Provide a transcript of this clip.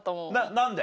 何で？